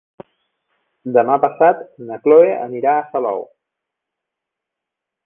Demà passat na Chloé anirà a Salou.